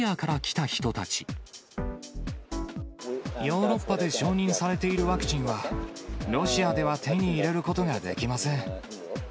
ヨーロッパで承認されているワクチンは、ロシアでは手に入れることができません。